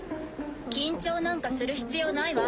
・緊張なんかする必要ないわ。